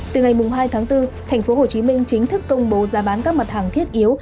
từ ngày hai tháng bốn tp hcm chính thức công bố giá bán các mặt hàng thiết yếu